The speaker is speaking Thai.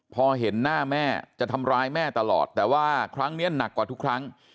พอเห็นหน้าแม่จะทำร้ายแม่ตลอดแต่ว่าครั้งนี้หนักกว่าทุกครั้ง